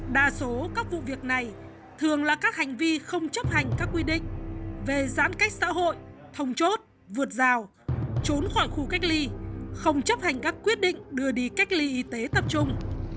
đa số các vụ việc này thường là các hành vi không chấp hành các quy định về giãn cách xã hội thông chốt vượt rào trốn khỏi khu cách ly không chấp hành các quyết định đưa đi cách ly y tế tập trung